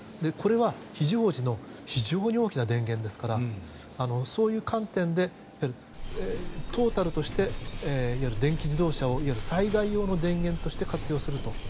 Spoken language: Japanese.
これは、非常時の非常に大きな電源ですからそういう観点でトータルとしていわゆる電気自動車を災害用の電源として活用すると。